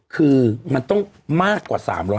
คือมันต้องมากกว่า๓๐๐